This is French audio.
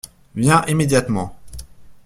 Viens immédiatement.